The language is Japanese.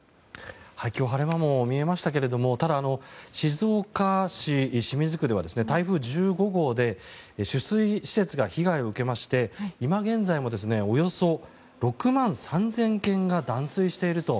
今日晴れ間も見えましたけれどもただ、静岡市清水区では台風１５号で取水施設が被害を受けまして今現在もおよそ６万３０００軒が断水していると。